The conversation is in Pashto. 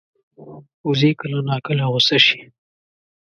وزې کله ناکله غوسه شي